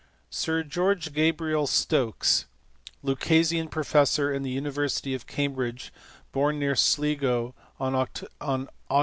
Sir George Gabriel Stokes, Lucasian professor in the uni versity of Cambridge, born near Sligo on Aug.